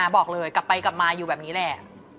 บอกเลยกลับไปกลับมาอยู่แบบนี้แหละ